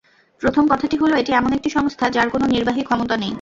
প্রথম কথাটি হলো, এটি এমন একটি সংস্থা, যার কোনো নির্বাহী ক্ষমতা নেই।